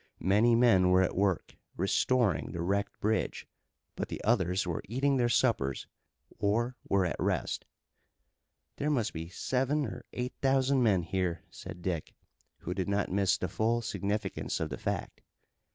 Many men were at work, restoring the wrecked bridge, but the others were eating their suppers or were at rest. "There must be seven or eight thousand men here," said Dick, who did not miss the full significance of the fact.